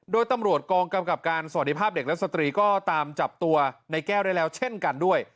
โดยตำรวจกองกำกับการสวัสดีภาพเด็กและสตรีก็ตามจับตัวในแก้วได้แล้วเช่นกันด้วย